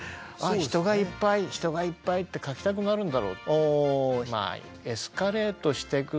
「ああ人がいっぱい人がいっぱい」って描きたくなるんだろう。